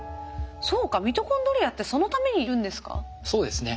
そうかミトコンドリアってそのためにいるんですか？